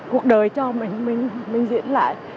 cuộc đời cho mình diễn lại